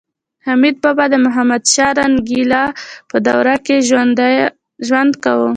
حمید بابا د محمدشاه رنګیلا په دوره کې ژوند کاوه